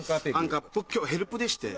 僕今日ヘルプでして。